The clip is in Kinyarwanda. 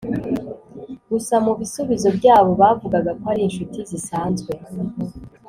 gusa mu bisubizo byabo bavugaga ko ari inshuti zisanzwe